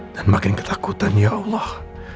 dan makin ketakutan ya allah